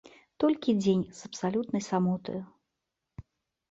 Толькі дзень з абсалютнай самотаю.